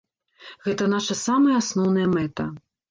Гэта наша самая асноўная мэта.